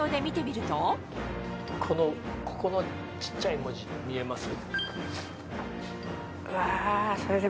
ここの小っちゃい文字見えます？